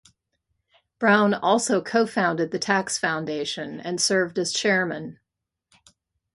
Brown also co-founded the Tax Foundation and served as chairman.